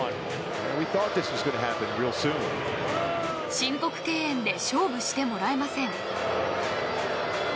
申告敬遠で勝負してもらえません。